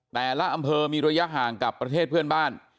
แต่ละอำเภอมีระยะห่างกับประเทศเพื่อนบ้าน